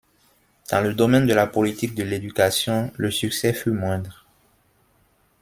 Dans le domaine de la politique de l’éducation, le succès fut moindre.